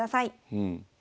うん。